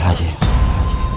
ya allah pak ustadz